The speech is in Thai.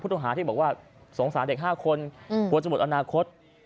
ต้องหาที่บอกว่าสงสารเด็ก๕คนกลัวจะหมดอนาคต